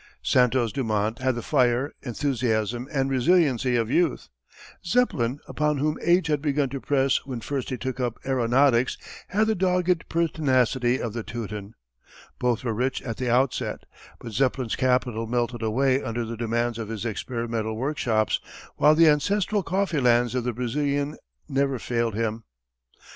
Santos Dumont had the fire, enthusiasm, and resiliency of youth; Zeppelin, upon whom age had begun to press when first he took up aeronautics, had the dogged pertinacity of the Teuton. Both were rich at the outset, but Zeppelin's capital melted away under the demands of his experimental workshops, while the ancestral coffee lands of the Brazilian never failed him.